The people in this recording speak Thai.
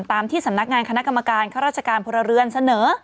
ตามที่สำนักงานคณะกรรมการข้าราชการพลเรือนเสนอ